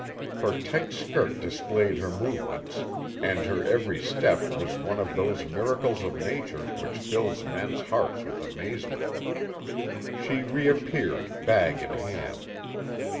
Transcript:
Her tight skirt displayed her movements, and her every step was one of those miracles of Nature which fill men's hearts with amazement. She reappeared, bag in hand.